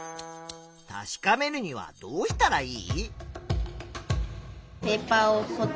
確かめるにはどうしたらいい？